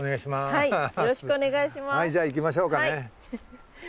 はいじゃあ行きましょうかね。